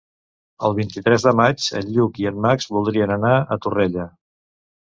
El vint-i-tres de maig en Lluc i en Max voldrien anar a Torrella.